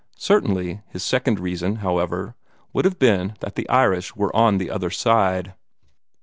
Certainly his second reason, however, would have been that the Irish were on the other side.